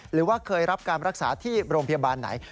หรือว่าเคยรับการรักษาที่โรงพยาบาลไหน